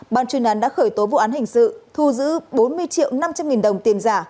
ban chuyên án đã khởi tố vụ án hình sự thu giữ bốn mươi triệu năm trăm linh nghìn đồng tiền giả